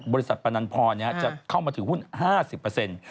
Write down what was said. บริษัทปนันพรจะเข้ามาถือหุ้น๕๐